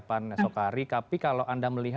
dan terima kasih